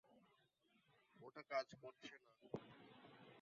ওটা কাজ করছে না?